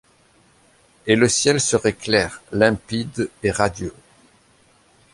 Et le ciel serait clair, limpide et radieux